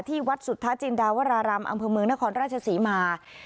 ที่วัดสุทธาจีนดาวรารมอังเพลงเมืองนครราชสีมาดิ์